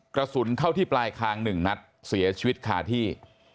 กระสุนเข้าที่ปลายคาง๑นัดเสียชีวิตคาที่